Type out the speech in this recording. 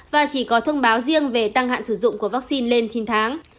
và chỉ có thông báo riêng về tăng hạn sử dụng của vaccine lên chín tháng